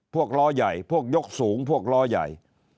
ล้อใหญ่พวกยกสูงพวกล้อใหญ่